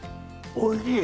おいしい？